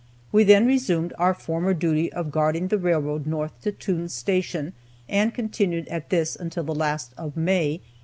We then resumed our former duty of guarding the railroad north to Toone's Station, and continued at this until the last of May, 1863.